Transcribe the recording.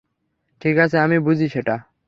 ঠিক আছে, আমি বুঝি সেটা।